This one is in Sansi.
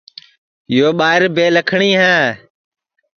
یو ٻائیر بے لکھٹؔی ہے